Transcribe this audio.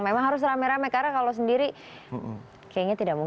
memang harus rame rame karena kalau sendiri kayaknya tidak mungkin